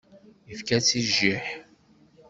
Ifka-tt i jjiḥ.